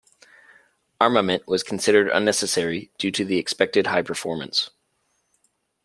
Armament was considered unnecessary due to the expected high performance.